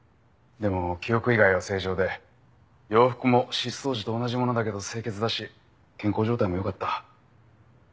でも記憶以外は正常で洋服も失踪時と同じものだけど清潔だし健康状態も良かった。